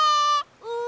うん。